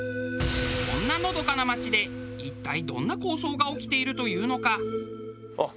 こんなのどかな町で一体どんな抗争が起きているというのか。